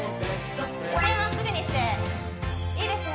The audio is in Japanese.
姿勢真っすぐにしていいですね